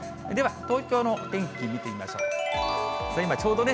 では、東京のお天気見てみましょう。